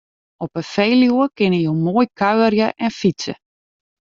Op 'e Feluwe kinne jo moai kuierje en fytse.